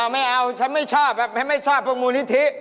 ไม่เอาฉันไม่ชอบฉันไม่ชอบพวกมูลนิธิ